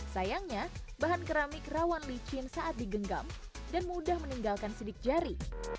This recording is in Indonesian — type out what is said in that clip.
sayangnya bahan keramik rawan licin saat digenggam dan mudah meninggalkan sidik jari